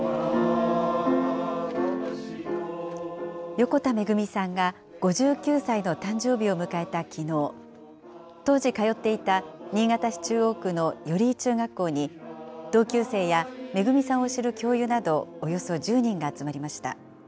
横田めぐみさんが５９歳の誕生日を迎えたきのう、当時通っていた新潟市中央区の寄居中学校に、同級生やめぐみさんを知る教諭などおよそ１０人が集まりました。